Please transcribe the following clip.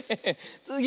つぎ！